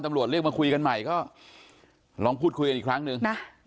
เรียกมาคุยกันใหม่ก็ลองพูดคุยกันอีกครั้งหนึ่งนะ